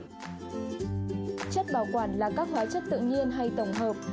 chất bảo quản là các hóa chất tự nhiên hay tổng hợp